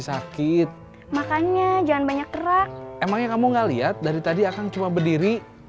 sakit makanya jangan banyak kerak emangnya kamu nggak lihat dari tadi akan cuma berdiri